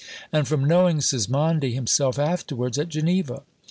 and from knowing Sismondi himself afterwards at Geneva.